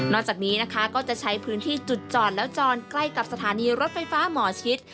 จากนี้นะคะก็จะใช้พื้นที่จุดจอดแล้วจอดใกล้กับสถานีรถไฟฟ้าหมอชิด